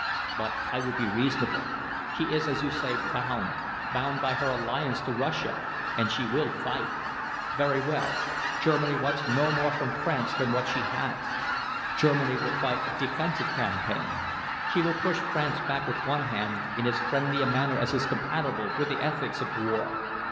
But I will be reasonable. She is, as you say, bound bound by her alliance to Russia, and she will fight. Very well! Germany wants no more from France than what she has. Germany will fight a defensive campaign. She will push France back with one hand, in as friendly a manner as is compatible with the ethics of war.